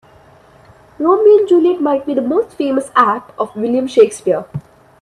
Romeo and Juliet might be the most famous act of William Shakespeare.